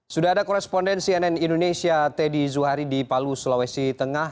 sudah ada koresponden cnn indonesia teddy zuhari di palu sulawesi tengah